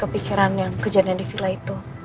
kepikiran yang kejadian di villa itu